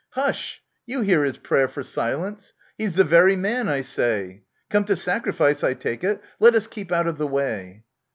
Hush ! You hear his prayer for silence ! He's the very man, I say. Come to sacrifice, I take it Let us keep out of the way